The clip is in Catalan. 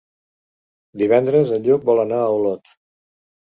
Divendres en Lluc vol anar a Olot.